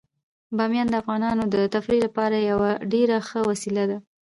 بامیان د افغانانو د تفریح لپاره یوه ډیره ښه وسیله ده.